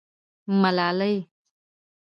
_ملالۍ.